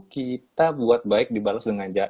kita buat baik dibalas dengan